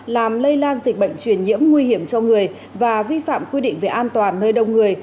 làm lây lan dịch bệnh truyền nhiễm nguy hiểm cho người và vi phạm quy định về an toàn nơi đông người